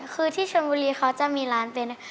คือที่ชนบุรีเขาจะมีร้านเป็น